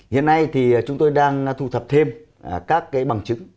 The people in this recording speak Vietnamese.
hiện nay thì chúng tôi đang thu thập thêm các cái bằng chứng